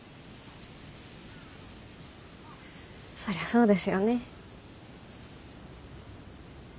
そりゃそうですよね。